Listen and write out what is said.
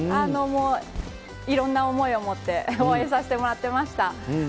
もういろんな思いを持って応援させてもらってました。